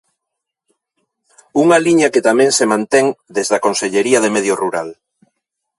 Unha liña que tamén se mantén desde a Consellería de Medio Rural.